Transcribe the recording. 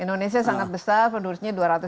indonesia sangat besar penduduknya